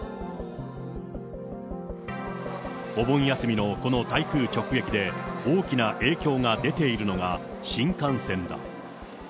お盆休みのこの台風直撃で、大きな影響が出ているのが新幹線だ。